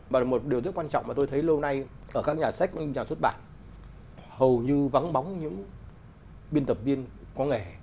và là một điều rất quan trọng mà tôi thấy lâu nay ở các nhà sách nhà xuất bản hầu như vắng bóng những biên tập viên có nghề